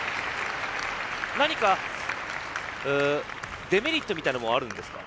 何かデメリットみたいなものはあるんですか？